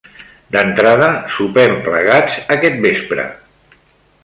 D'entrada, sopem plegats aquest vespre.